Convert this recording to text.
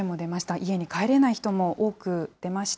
家に帰れない人も多く出ました。